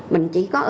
mình chỉ có ở